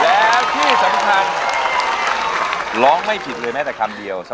แล้วที่สำคัญร้องไม่ผิดเลยแม้แต่คำเดียว